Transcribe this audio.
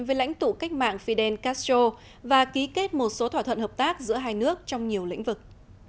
với lãnh tụ cách mạng fidel castro và ký kết một số thỏa thuận hợp tác giữa hai nước trong nhiều lĩnh vực